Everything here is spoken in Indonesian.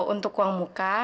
untuk uang muka